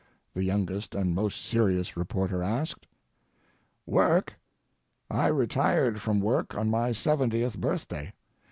the youngest and most serious reporter asked. Work? I retired from work on my seventieth birthday.